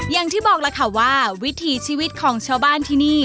อย่างที่บอกล่ะค่ะว่าวิถีชีวิตของชาวบ้านที่นี่